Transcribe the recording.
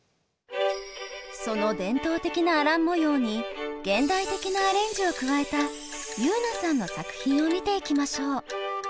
その伝統的なアラン模様に現代的なアレンジを加えたｙｕｎａさんの作品を見ていきましょう。